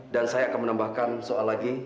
dan saya akan menambahkan soal lagi